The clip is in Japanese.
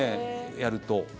やると。